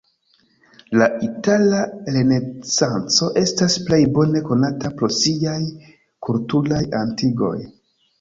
La Itala Renesanco estas plej bone konata pro siaj kulturaj atingoj.